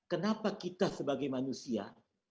kenapa kita sebagai manusia